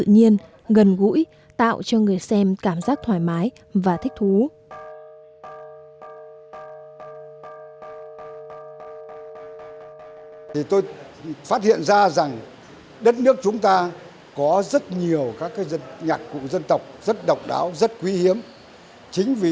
nhạc tự nhiên gần gũi